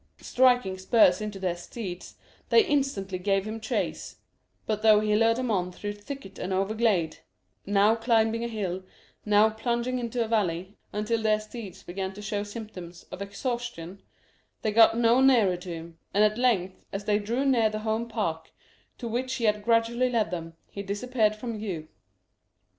Striking spurs into their steeds, they instantly gave him chase; but though he lured them on through thicket and over glade now climbing a hill, now plunging into a valley, until their steeds began to show symptoms of exhaustion they got no nearer to him; and at length, as they drew near the Home Park, to which he had gradually led them, he disappeared from view.